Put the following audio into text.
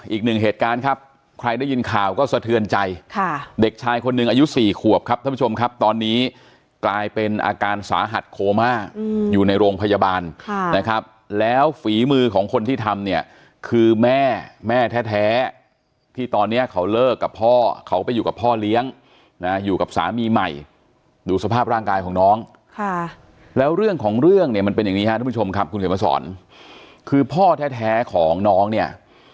อีกหนึ่งเหตุการณ์ครับใครได้ยินข่าวก็สะเทือนใจค่ะเด็กชายคนหนึ่งอายุ๔ขวบครับท่านผู้ชมครับตอนนี้กลายเป็นอาการสาหัสโคม่าอยู่ในโรงพยาบาลนะครับแล้วฝีมือของคนที่ทำเนี่ยคือแม่แม่แท้แท้ที่ตอนนี้เขาเลิกกับพ่อเขาไปอยู่กับพ่อเลี้ยงอยู่กับสามีใหม่ดูสภาพร่างกายของน้องค่ะแล้วเรื่องของเรื่องเนี่ย